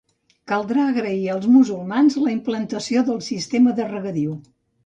Caldrà agrair als musulmans la implantació del sistema de regadiu.